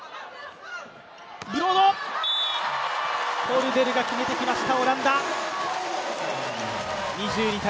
ポルデルが決めてきました、オランダ。